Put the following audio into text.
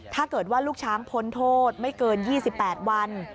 ถ้าเกิดว่าลูกช้างพ้นโทษไม่เกิน๒๘วัน